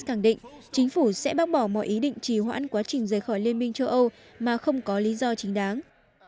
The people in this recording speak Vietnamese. khẳng định chính phủ sẽ bác bỏ mọi ý định trì hoãn quá trình rời khỏi liên minh châu âu mà không có lý do chính đáng